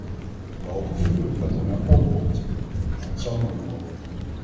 We hopen vurig dat er een akkoord komt, maar het zal moeilijk worden.